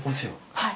はい。